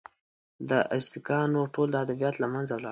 د ازتکانو ټول ادبیات له منځه ولاړل.